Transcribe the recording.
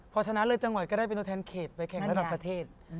พอชนะเลยจังหวัดก็ได้เป็นตัวแทนเขตไปแข่งระดับประเทศ